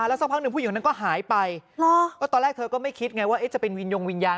แล้วสักพักหนึ่งผู้หญิงนั้นก็หายไปตอนแรกเธอก็ไม่คิดไงว่าจะเป็นวินยงวิญญาณ